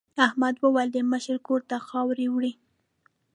احمد وویل د مشر کور ته خاورې وړي.